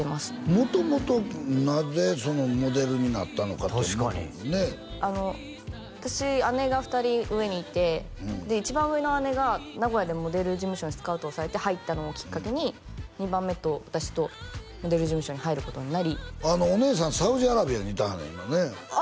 元々なぜモデルになったのかっていうのを私姉が２人上にいてで一番上の姉が名古屋でモデル事務所にスカウトされて入ったのをきっかけに２番目と私とモデル事務所に入ることになりお姉さんサウジアラビアにいてはる今ねああ